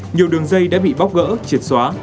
nhiều đường dây đã bị bóc gỡ triệt xóa